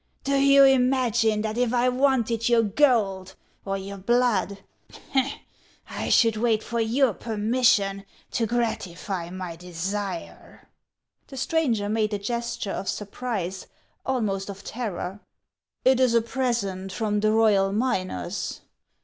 Do you imagine that if I wanted your gold or your blood I should wait for your permis sion to gratify my desire ?" The stranger made a gesture of surprise, almost of terror. " It is a present from the royal miners."